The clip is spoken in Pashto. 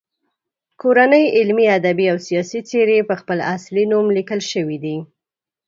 کورنۍ علمي، ادبي او سیاسي څیرې په خپل اصلي نوم لیکل شوي دي.